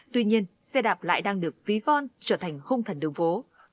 tuy nhiên xe đạp lại đang được ví von trở thành hung thần đường vố